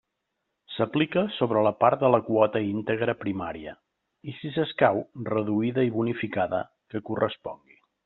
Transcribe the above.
S'aplica sobre la part de la quota íntegra primària i, si s'escau, reduïda i bonificada que correspongui.